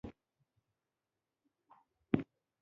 نور مناسب اشخاص هم باید خبر کړي.